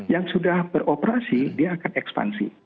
yang sudah beroperasi dia akan ekspansi